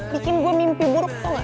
bikin gue mimpi buruk tau gak